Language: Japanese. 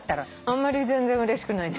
あんまり全然うれしくない。